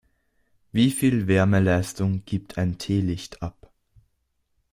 Wie viel Wärmeleistung gibt ein Teelicht ab?